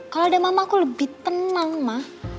kalau ada mama aku lebih tenang mah